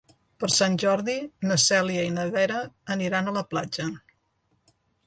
Per Sant Jordi na Cèlia i na Vera aniran a la platja.